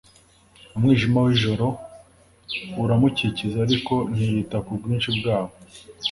Umwijima w'ijoro uramukikiza ariko ntiyita ku bwinshi bwawo.